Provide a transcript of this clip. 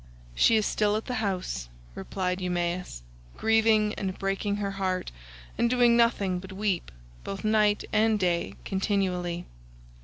"She is still at the house," replied Eumaeus, "grieving and breaking her heart, and doing nothing but weep, both night and day continually."